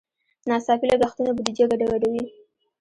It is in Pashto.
ناڅاپي لګښتونه بودیجه ګډوډوي.